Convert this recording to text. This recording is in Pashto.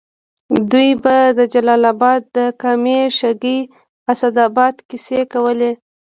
دوی به د جلال اباد د کامې، شګۍ، اسداباد کیسې کولې.